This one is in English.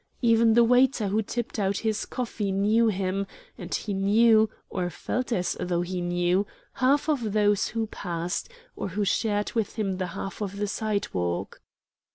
Even the waiter who tipped out his coffee knew him; and he knew, or felt as though he knew, half of those who passed, or who shared with him the half of the sidewalk.